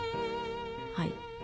はい。